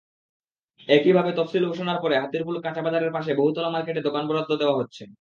একইভাবে তফসিল ঘোষণার পরে হাতিরপুল কাঁচাবাজারের পাশে বহুতলা মার্কেটে দোকান বরাদ্দ দেওয়া হচ্ছে।